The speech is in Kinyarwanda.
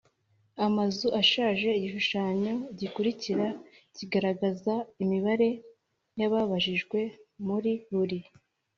amazu ashaje Igishushanyo gikurikira kiragaragaza imibare y ababajijwe muri buri